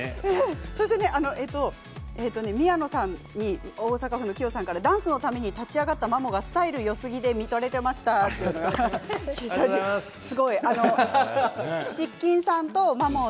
宮野さんに大阪府の方からダンスのために立ち上がったマモがスタイルよすぎて見とれていましたときています。